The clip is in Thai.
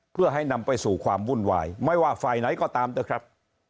เพื่อให้นำไปสู่ความวุ่นวายไม่ว่าฝ่ายไหนก็ตามเถอะครับ